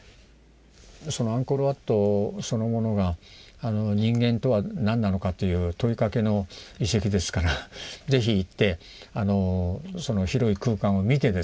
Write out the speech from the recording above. そのアンコール・ワットそのものが人間とは何なのかという問いかけの遺跡ですから是非行ってその広い空間を見てですね